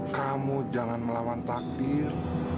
kamu jangan melawan takdir